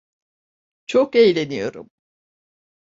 Çok eğleniyorum.